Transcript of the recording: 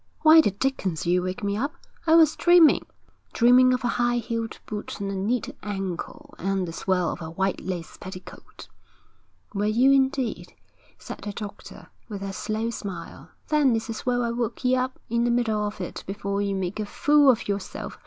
'Why the dickens did you wake me up? I was dreaming dreaming of a high heeled boot and a neat ankle and the swirl of a white lace petticoat.' 'Were you indeed?' said the doctor, with a slow smile. 'Then it's as well I woke ye up in the middle of it before ye made a fool of yourself.